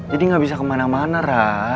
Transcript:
jadi gak bisa kemana mana rara